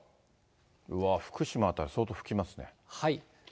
うわ、福島辺り、相当吹きますね。